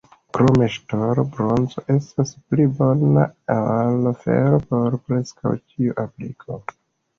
Krom ŝtalo, bronzo estas pli bona ol fero por preskaŭ ĉiu apliko.